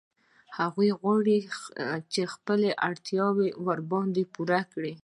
هغوی غواړي چې خپلې اړتیاوې ورباندې پوره کړي